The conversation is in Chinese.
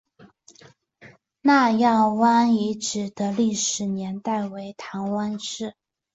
纳业湾遗址的历史年代为唐汪式。